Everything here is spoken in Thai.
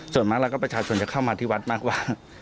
ส่วนมากแล้วก็ประชาชนจะเข้ามาที่วัดมากว่า